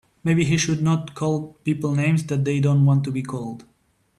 Maybe he should not call people names that they don't want to be called.